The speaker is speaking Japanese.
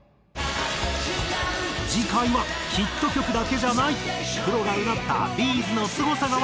次回はヒット曲だけじゃないプロが唸ったＢ’ｚのすごさがわかる１曲。